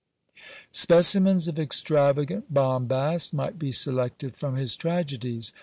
Specimens of extravagant bombast might be selected from his tragedies.